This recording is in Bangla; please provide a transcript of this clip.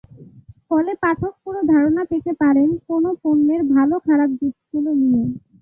ফলে পাঠক পুরো ধারণা পেতে পারেন কোনো পণ্যের ভালো-খারাপ দিকগুলো নিয়ে।